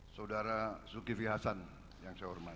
saudara zulkifli hasan yang saya hormati